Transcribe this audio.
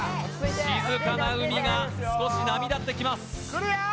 静かな海が少し波立ってきます来るよ！